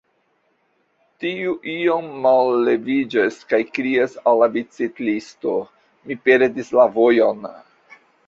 Tiu iom malleviĝas, kaj krias al la biciklisto: Mi perdis la vojon.